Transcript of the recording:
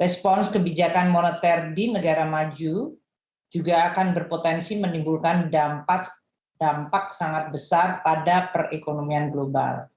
respons kebijakan moneter di negara maju juga akan berpotensi menimbulkan dampak sangat besar pada perekonomian global